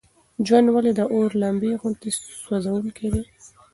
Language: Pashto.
ژوند ولې د اور د لمبې غوندې سوزونکی دی؟